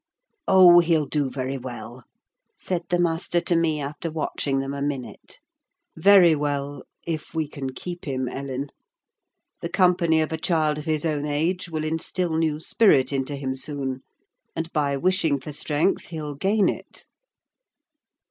"Oh, he'll do very well," said the master to me, after watching them a minute. "Very well, if we can keep him, Ellen. The company of a child of his own age will instil new spirit into him soon, and by wishing for strength he'll gain it."